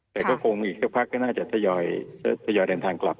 แต่ก่อมอีกสักภาคก็น่าจะสยอยเดินทางกลับ